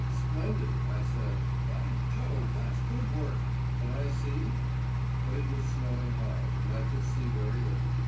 "Splendid," I said: "by Jove, that's good work. Can I see?" But it was snowing hard, and I could see very little.